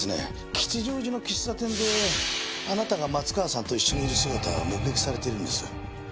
吉祥寺の喫茶店であなたが松川さんと一緒にいる姿が目撃されているんです。